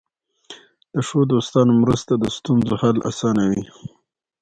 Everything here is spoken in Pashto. د ښو دوستانو مرسته د ستونزو حل اسانوي.